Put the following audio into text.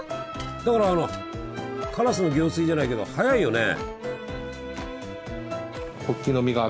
だからあの「烏の行水」じゃないけど早いよね。